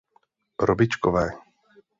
Robičkové.